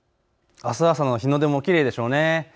あす朝の日の出もきれいでしょうね。